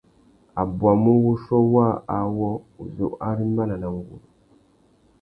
A bwamú wuchiô waā awô, uzu arimbana na nguru.